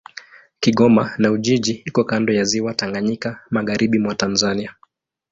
Kigoma na Ujiji iko kando ya Ziwa Tanganyika, magharibi mwa Tanzania.